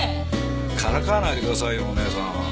からかわないでくださいよお義姉さん。